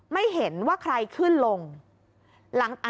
ไม่เห็นว่าใครขึ้นลง